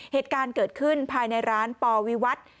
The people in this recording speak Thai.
เหตุการณ์เกิดขึ้นภายในร้านปวิวัตร